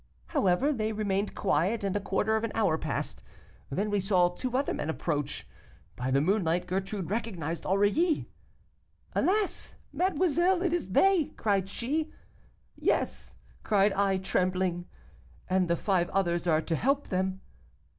However, they remained quiet, and a quarter of an hour passed; then we saw two other men approach. By the moonlight Gertrude recognized Aurilly. 'Alas! mademoiselle; it is they,' cried she. 'Yes,' cried I, trembling, 'and the five others are to help them.